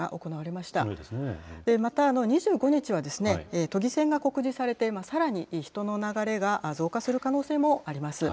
また２５日は都議選が告示されて、さらに人の流れが増加する可能性もあります。